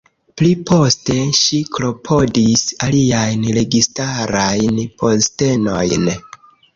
Pliposte, ŝi klopodis aliajn registarajn postenojn.